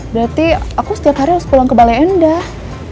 berarti aku setiap hari harus pulang ke balai endah